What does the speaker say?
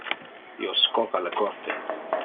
Io scopa le corte.